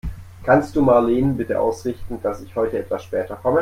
Kannst du Marleen bitte ausrichten, dass ich heute etwas später komme?